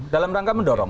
dalam rangka mendorong